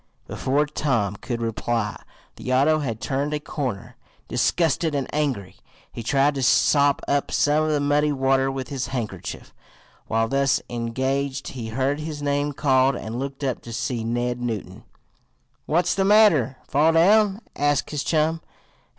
Before Tom could reply the auto had turned a corner. Disgusted and angry, he tried to sop up some of the muddy water with his handkerchief. While thus engaged he heard his name called, and looked up to see Ned Newton. "What's the matter? Fall down?" asked his chum.